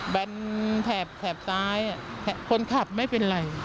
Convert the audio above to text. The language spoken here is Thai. แบบแถบแถบซ้ายอ่ะคนขับไม่เป็นไร